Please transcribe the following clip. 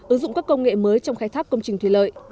ứng dụng các công nghệ mới trong khai thác công trình thủy lợi